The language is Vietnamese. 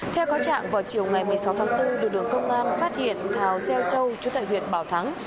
theo có trạng vào chiều ngày một mươi sáu tháng bốn đường công an phát hiện thảo xeo châu chú tại huyện bảo thắng